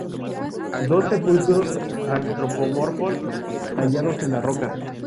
Dos sepulcros antropomorfos tallados en la roca.